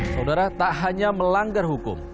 saudara tak hanya melanggar hukum